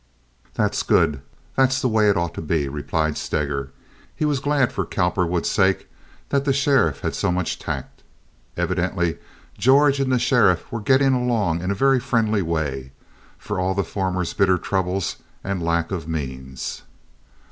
"That's good. That's the way it ought to be," replied Steger. He was glad for Cowperwood's sake that the sheriff had so much tact. Evidently George and the sheriff were getting along in a very friendly way, for all the former's bitter troubles and lack of means.